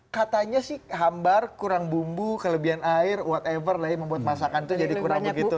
katanya sih hambar kurang bumbu kelebihan air what ever lah yang membuat masakan itu jadi kurang begitu